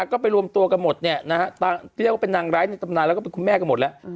ก็ไปรวมตัวกันหมดเนี่ยที่เรียกว่านางรายในตำนานและคุณแม่กันหมดแล้ว